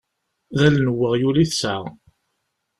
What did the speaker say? D allen n weɣyul i tesɛa.